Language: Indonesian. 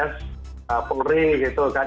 s polri gitu kan